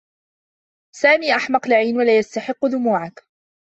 سامي أحمق لعين و لا يستحقّ دموعكِ.